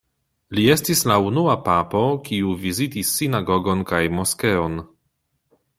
Li estis la unua papo, kiu vizitis sinagogon kaj moskeon.